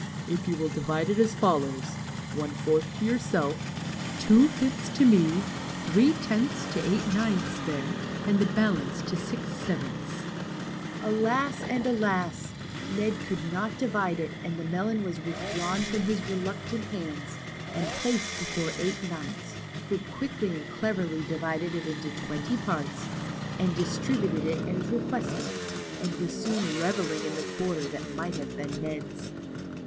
If you will divide it as follows : one fourth to your self, two fifths to me, three tenths to Eight Ninths there, and the balance to Six Sevenths." Alas and alas ! Ned could not divide it, and the melon was withdrawn from his reluctant hands, and placed before Eight Ninths, who quickly and cleverly divided it into twenty parts, and distributed as requested, 78 THE CHILDREN'S WONDER BOOK. and was soon revelling in the quarter that might have been Ned's.